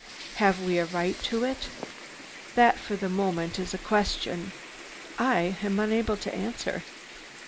Have we a right to it? That, for the moment, is a question. I am unable to answer."